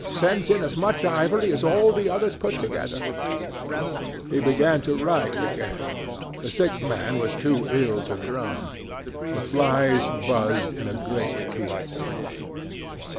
Sends in as much ivory as all the others put together. ...' He began to write again. The sick man was too ill to groan. The flies buzzed in a great peace.